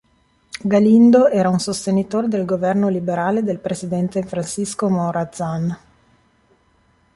Galindo era un sostenitore del governo liberale del presidente Francisco Morazán.